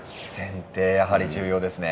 やはり重要ですね。